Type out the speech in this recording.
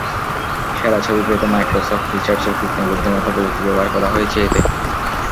সেরা ছবি পেতে মাইক্রোসফট রিসার্চের কৃত্রিম বুদ্ধিমত্তা প্রযুক্তি ব্যবহার করা হয়েছে এতে।